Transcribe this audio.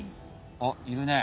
おっいるね